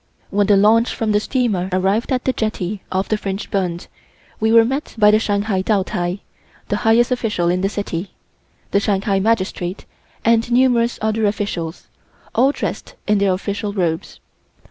When the launch from the steamer arrived at the jetty off the French Bund, we were met by the Shanghai Taotai (the highest official in the city), the Shanghai Magistrate and numerous other officials, all dressed in their official robes.